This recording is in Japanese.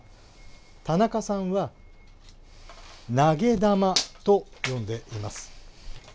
田中さんは投げ玉と呼んでいます。